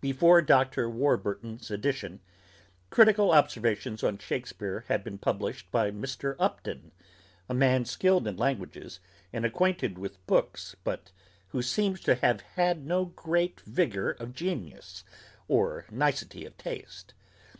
Before Dr. Warburton's edition, Critical observations on Shakespeare had been published by Mr. Upton, a man skilled in languages, and acquainted with books, but who seems to have had no great vigour of genius or nicety of taste.